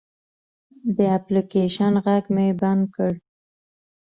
د اپلیکیشن غږ مې بند کړ.